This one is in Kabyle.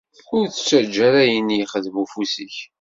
Ur ttaǧǧa ara ayen yexdem ufus-ik.